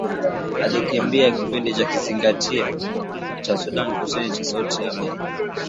alikiambia kipindi cha Zingatia cha Sudan kusini cha sauti ya Amerika